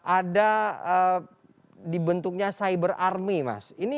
ada di bentuknya cyber army mas